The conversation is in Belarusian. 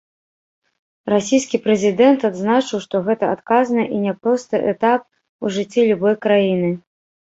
Расійскі прэзідэнт адзначыў, што гэта адказны і няпросты этап у жыцці любой краіны.